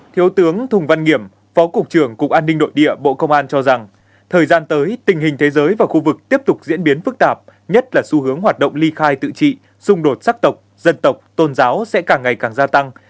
thiếu tướng thùng văn nghiệm phó cục trưởng cục an ninh nội địa bộ công an cho rằng thời gian tới tình hình thế giới và khu vực tiếp tục diễn biến phức tạp nhất là xu hướng hoạt động ly khai tự trị xung đột sắc tộc dân tộc tôn giáo sẽ càng ngày càng gia tăng